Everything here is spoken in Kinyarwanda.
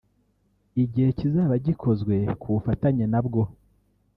igihe kizaba gikozwe ku bufatanye nabwo